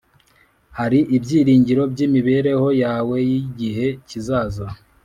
Hari ibyiringiro by imibereho yawe y igihe kizaza